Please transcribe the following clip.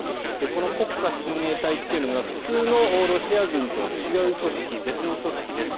この国家親衛隊というのが普通のロシア軍とは違う組織別の組織です。